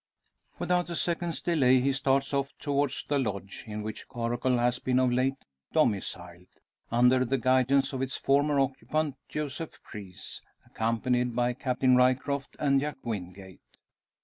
Without a second's delay he starts off towards the lodge in which Coracle has been of late domiciled under the guidance of its former occupant Joseph Preece accompanied by Captain Ryecroft and Jack Wingate.